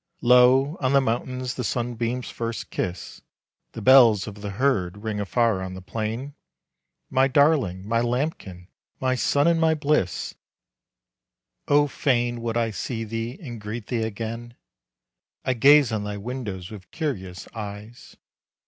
Lo, on the mountains the sunbeams' first kiss! The bells of the herd ring afar on the plain, My darling, my lambkin, my sun and my bliss, Oh, fain would I see thee and greet thee again! I gaze on thy windows with curious eyes.